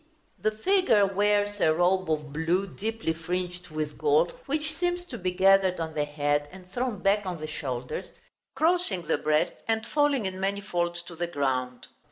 The figure wears a robe of blue, deeply fringed with gold, which seems to be gathered on the head and thrown back on the shoulders, crossing the breast, and falling in many folds to the ground.